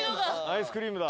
アイスクリームだ。